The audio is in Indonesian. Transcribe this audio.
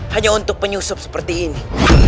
hanya untuk penyusup seperti ini